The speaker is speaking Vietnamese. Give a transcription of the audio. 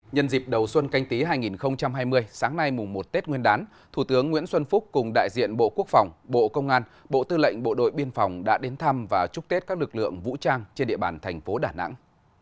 nhân dịp đầu xuân canh tí hai nghìn hai mươi sáng nay mùng một tết nguyên đán thủ tướng nguyễn xuân phúc cùng đại diện bộ quốc phòng bộ công an bộ tư lệnh bộ đội biên phòng đã đến thăm và chúc tết các lực lượng vũ trang trên địa bàn thành phố đà nẵng